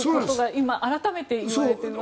今、改めて言われているわけです。